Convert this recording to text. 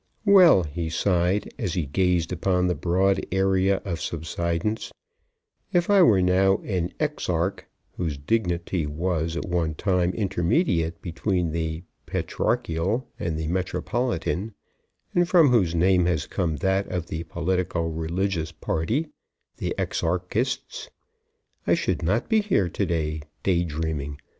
"Well," he sighed, as he gazed upon the broad area of subsidence, "if I were now an exarch, whose dignity was, at one time, intermediate between the Patriarchal and the Metropolitan and from whose name has come that of the politico religious party, the Exarchists, I should not be here day dreaming.